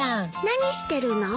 何してるの？